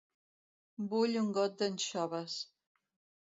Vull un got d'anxoves.